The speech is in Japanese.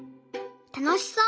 たのしそう。